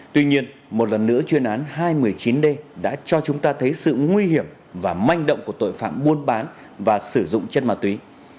tuy nhiên một lần nữa chuyên án hai trăm một mươi chín d đã cho chúng ta thấy sự nguy hiểm và manh động của tội phạm buôn bán và sử dụng chất ma túy